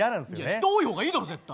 人多い方がいいだろ絶対。